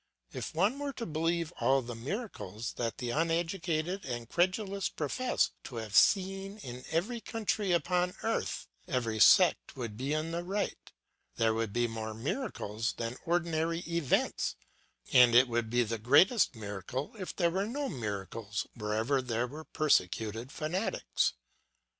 If one were to believe all the miracles that the uneducated and credulous profess to have seen in every country upon earth, every sect would be in the right; there would be more miracles than ordinary events; and it would be the greatest miracle if there were no miracles wherever there were persecuted fanatics.